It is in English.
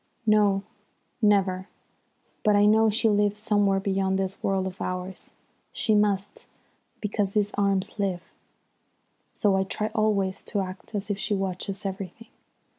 "No, never. But I know she lives somewhere beyond this world of ours. She must, because these arms live. So I try always to act as if she watches everything.